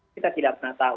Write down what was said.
kita tidak pernah tahu